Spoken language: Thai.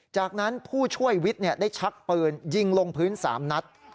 จากนั้นผู้ช่วยวิทย์ได้ชักปืนยิงลงพื้น๓นัด